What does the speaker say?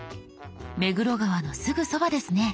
目黒川のすぐそばですね。